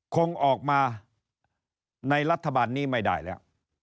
คงออกมาในรัฐบาลนี้ไม่ได้แล้ว